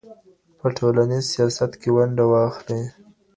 په ټولنيز سياست کې ونډه واخلئ.